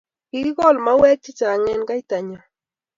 Kikikol mauek chechang' eng' kaitanyo